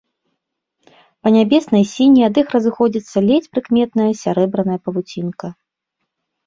Па нябеснай сіні ад іх разыходзіцца ледзь прыкметная сярэбраная павуцінка.